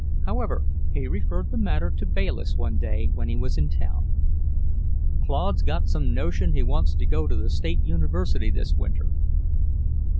However, he referred the matter to Bayliss one day when he was in town. "Claude's got some notion he wants to go to the State University this winter."